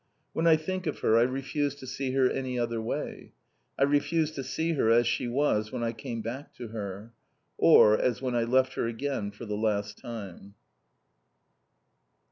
When I think of her, I refuse to see her any other way! I refuse to see her as she was when I came back to her. Or as when I left her again for the Last Time.